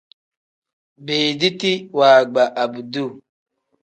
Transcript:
Beediti waagba abduu.